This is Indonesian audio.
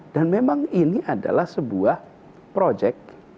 dan memang ini adalah sebuah projek